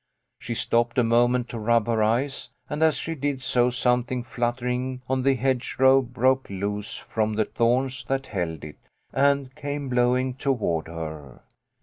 She stopped a moment to rub her eyes, and as she did so something fluttering on the hedge row broke loose from the thorns that held it, and came blowing toward her.